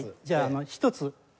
じゃあ１つ。